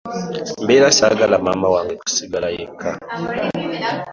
Mbera sagala maama wange kusigala yekka .